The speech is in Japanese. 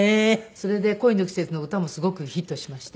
それで『恋の季節』の歌もすごくヒットしまして。